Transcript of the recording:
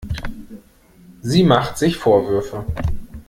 Sie macht sich Vorwürfe.